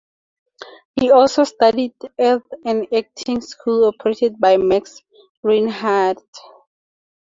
She also studied at an acting school operated by Max Reinhardt.